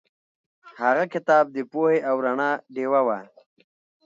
هغه کتاب د پوهې او رڼا ډیوه وه.